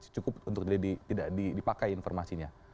cukup untuk dipakai informasinya